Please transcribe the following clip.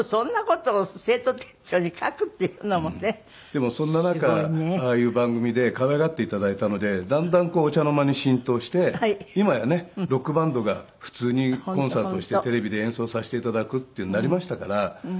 でもそんな中ああいう番組で可愛がって頂いたのでだんだんお茶の間に浸透して今やねロックバンドが普通にコンサートをしてテレビで演奏させて頂くってなりましたから。